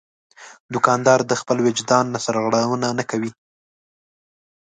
دوکاندار د خپل وجدان نه سرغړونه نه کوي.